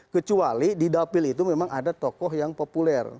kecuali di dapil itu memang ada tokoh yang populer